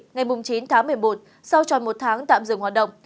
ngày chín tháng một mươi một sau tròn một tháng tạm dừng hoạt động